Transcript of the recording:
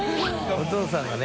お父さんがね